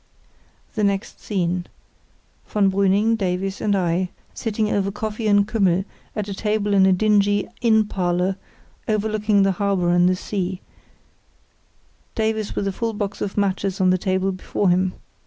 The next scene: von Brüning, Davies, and I, sitting over coffee and Kümmel at a table in a dingy inn parlour overlooking the harbour and the sea, Davies with a full box of matches on the table before him.